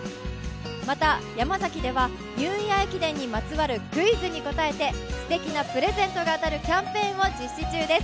また、ヤマザキではニューイヤー駅伝にまつわるクイズに答えてすてきなプレゼントが当たるキャンペーンを実施中です。